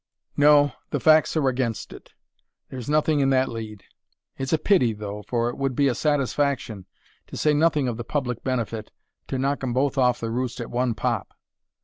"No; the facts are against it. There's nothing in that lead. It's a pity, though, for it would be a satisfaction to say nothing of the public benefit to knock 'em both off the roost at one pop."